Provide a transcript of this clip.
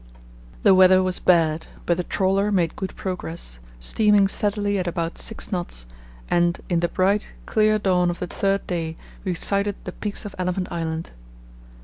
The weather was bad but the trawler made good progress, steaming steadily at about six knots, and in the bright, clear dawn of the third day we sighted the peaks of Elephant Island.